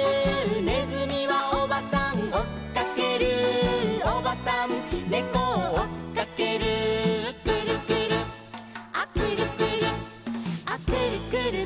「ねずみはおばさんおっかける」「おばさんねこをおっかける」「くるくるアくるくるア」「くるくるマンボウ！」